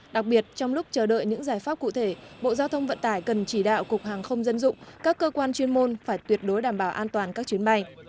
đặc biệt trong lúc chờ đợi những giải pháp cụ thể bộ giao thông vận tải cần chỉ đạo cục hàng không dân dụng các cơ quan chuyên môn phải tuyệt đối đảm bảo an toàn các chuyến bay